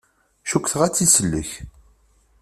Cukkeɣ ad tt-isellek.